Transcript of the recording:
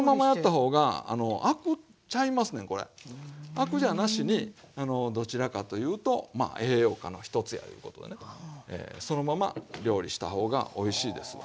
アクじゃなしにどちらかというとまあ栄養価の一つやいうことでねそのまま料理した方がおいしいですわ。